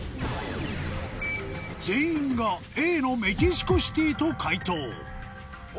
全員がＡのメキシコシティと解答お！